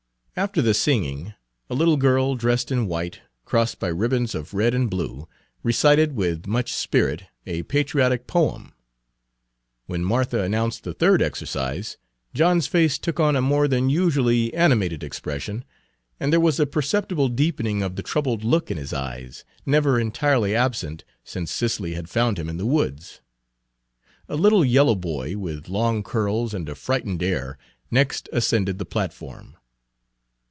After the singing, a little girl, dressed in white, crossed by ribbons of red and blue, recited with much spirit a patriotic poem. When Martha announced the third exercise, John's face took on a more than usually animated expression, and there was a perceptible deepening of the troubled look in his eyes, never entirely absent since Cicely had found him in the woods. Page 162 A little yellow boy, with long curls, and a frightened air, next ascended the platform.